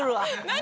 何？